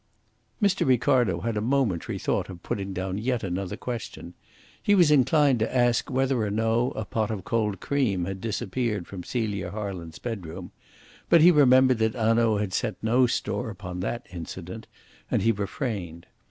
Mr. Ricardo had a momentary thought of putting down yet another question. He was inclined to ask whether or no a pot of cold cream had disappeared from Celia Harland's bedroom; but he remembered that Hanaud had set no store upon that incident, and he refrained.